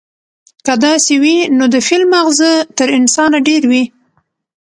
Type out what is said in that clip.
که داسې وي، نو د فيل ماغزه تر انسانه ډېر وي،